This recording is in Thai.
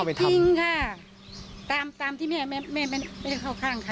ไม่จริงค่ะตามที่แม่ไม่ได้เข้าข้างใคร